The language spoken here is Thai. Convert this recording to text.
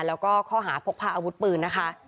แล้วก็ข้อหาพกพาอาวุธปืนนะคะ